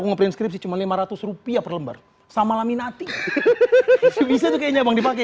ngeprin skripsi cuma lima ratus rupiah per lembar sama laminati bisa tuh kayaknya bang dipakai